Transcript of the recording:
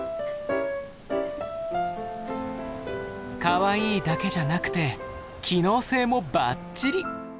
かわいいだけじゃなくて機能性もばっちり。